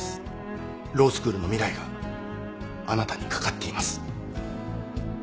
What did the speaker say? ロースクールの未来があなたにかかっています